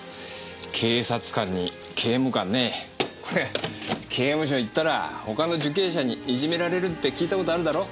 警察官に刑務官ねこれ刑務所行ったら他の受刑者にいじめられるって聞いたことあるだろ？